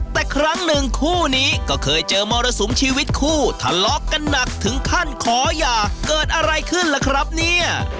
แต่ครั้งหนึ่งคู่นี้ก็เคยเจอมรสุมชีวิตคู่ทะเลาะกันหนักถึงขั้นขอหย่าเกิดอะไรขึ้นล่ะครับเนี่ย